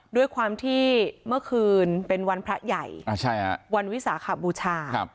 ด้วยความที่เมื่อคืนเป็นวันพระใหญ่วันวิสาขบูชา